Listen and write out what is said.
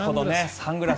サングラス。